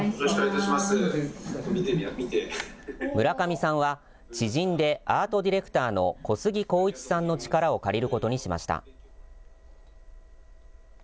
村上さんは、知人でアートディレクターの小杉幸一さんの力を借りることにしました。